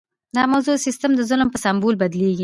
دا موضوع د سیستم د ظلم په سمبول بدلیږي.